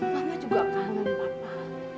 mama juga kangen papa